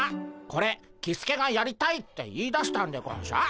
これキスケがやりたいって言いだしたんでゴンショ？